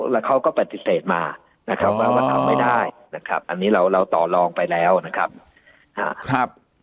แล้วเขาก็ปฏิเสธมานะครับว่ามาทำไม่ได้นะครับอันนี้เราเราต่อลองไปแล้วนะครับ